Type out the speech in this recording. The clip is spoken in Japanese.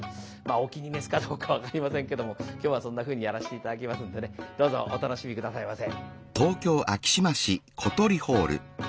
お気に召すかどうか分かりませんけども今日はそんなふうにやらして頂きますんでねどうぞお楽しみ下さいませ。